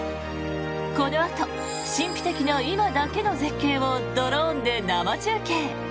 このあと、神秘的な今だからこその絶景をドローンで生中継。